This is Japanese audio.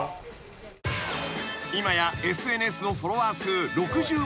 ［今やＳＮＳのフォロワー数６０万